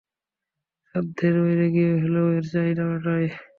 সাধ্যের বাইরে গিয়ে হলেও ওর চাহিদা মেটাই।